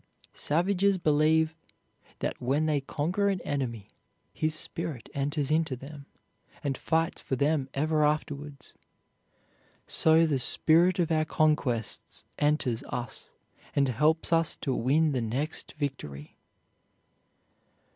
Savages believe that when they conquer an enemy, his spirit enters into them, and fights for them ever afterwards. So the spirit of our conquests enters us, and helps us to win the next victory.